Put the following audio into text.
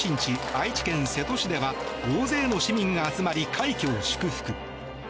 愛知県瀬戸市では大勢の市民が集まり快挙を祝福。